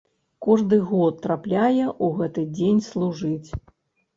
Кожны год трапляе ў гэты дзень служыць.